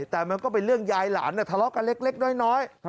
แต่มันก็เป็นเรื่องยายหลานทะเลาะกันเล็กน้อย